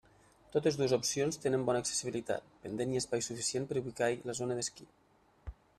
Totes dues opcions tenen bona accessibilitat, pendent i espai suficient per ubicar-hi la zona d'esquí.